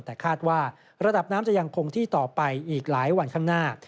แต่คาดว่าระดับน้ำจะยังคงที่ต่อไปอีกหลายวันข้างหน้า